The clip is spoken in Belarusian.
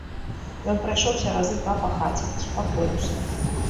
Ён прайшоўся разы два па хаце, супакоіўся.